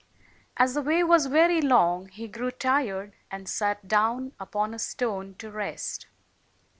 As the way was very long, he grew tired and sat down upon a stone to rest.